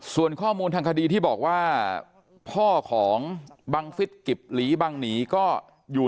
ส่วนข้อมูลทางคดีที่บอกว่าพ่อของบังฟิศกิบหลีบังหนีก็อยู่